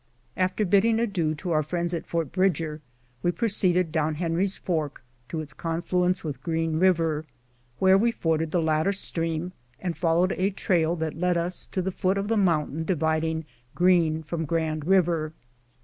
227 After bidding adieu to our friends at Fort Bridger, we proceeded down Henry's Fork to its confluence with Green Eiver, where we forded the latter stream, and followed a trail that led us to the foot of the mountain dividing Green from Grand Eiver.